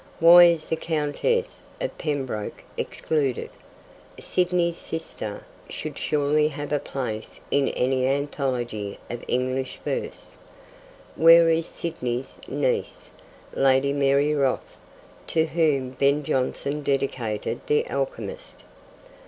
Why is the Countess of Pembroke excluded? Sidney's sister should surely have a place in any anthology of English verse. Where is Sidney's niece, Lady Mary Wroth, to whom Ben Jonson dedicated The Alchemist?